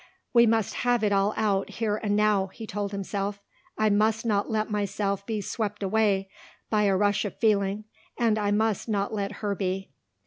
"We must have it all out here and now," he told himself. "I must not let myself be swept away by a rush of feeling and I must not let her be.